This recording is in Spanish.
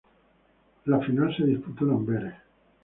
La final se disputó en Amberes.